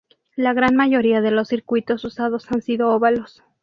La gran mayoría de los circuitos usados han sido óvalos.